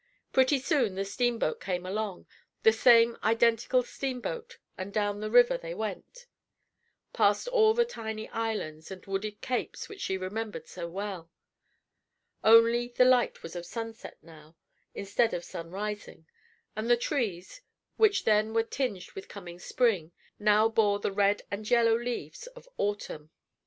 Pretty soon the steamboat came along, the same identical steamboat, and down the river they went, past all the tiny islands and wooded capes which she remembered so well; only the light was of sunset now instead of sun rising, and the trees, which then were tinged with coming spring, now bore the red and yellow leaves of autumn.